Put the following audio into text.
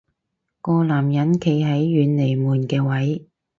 個男人企喺遠離門嘅位